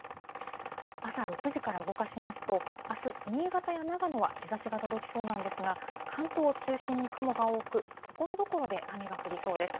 朝６時から動かしますと、あす、新潟や長野は日ざしが届きそうなんですが、関東を中心に雲が多く、ところどころで雨が降りそうです。